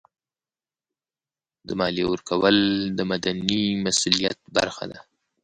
د مالیې ورکول د مدني مسؤلیت برخه ده.